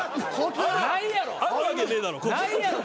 ないやろ。